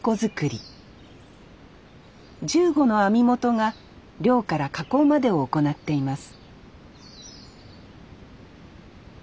１５の網元が漁から加工までを行っています